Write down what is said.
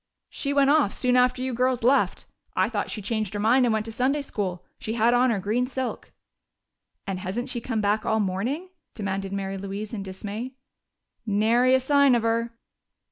"She went off soon after you girls left. I thought she changed her mind and went to Sunday school. She had on her green silk." "And hasn't she come back all morning?" demanded Mary Louise in dismay. "Nary a sign of her."